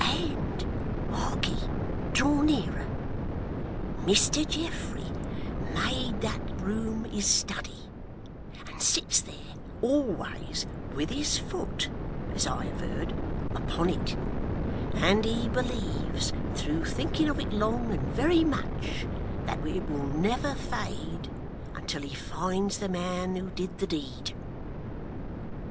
And harkye draw nearer Mr Geoffrey made that room his study, and sits there, always, with his foot (as I have heard) upon it; and he believes, through thinking of it long and very much, that it will never fade until he finds the man who did the deed.